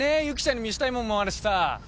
由岐ちゃんに見せたいもんもあるしさ。